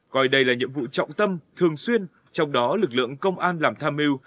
coi đây là nhiệm vụ trọng tâm thường xuyên trong đó lực lượng công an làm tham mưu